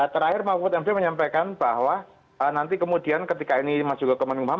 terakhir mahfud md menyampaikan bahwa nanti kemudian ketika ini masuk ke kemenkumham